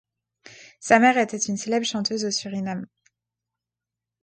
Sa mère était une célèbre chanteuse au Suriname.